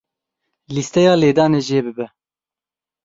Lîsteya lêdanê jê bibe.